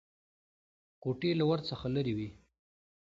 کوټې له ور څخه لرې وې.